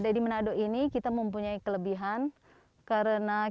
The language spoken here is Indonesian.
skyland tetempangan hill banyak disebut sebagai tempat para layang atau para gliding paling ideal